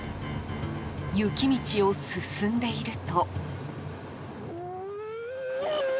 雪道を進んでいると。